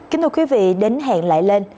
kính thưa quý vị đến hẹn lại lên